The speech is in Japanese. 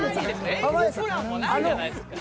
演技プランもないじゃないですか。